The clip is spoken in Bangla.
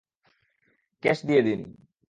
ক্যাশ দিয়ে দিন!